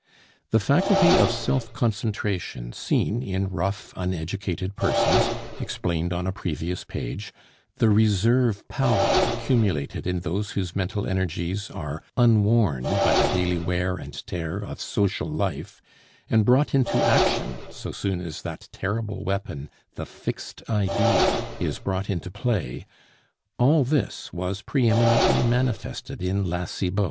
The faculty of self concentration seen in rough, uneducated persons, explained on a previous page, the reserve power accumulated in those whose mental energies are unworn by the daily wear and tear of social life, and brought into action so soon as that terrible weapon the "fixed idea" is brought into play, all this was pre eminently manifested in La Cibot.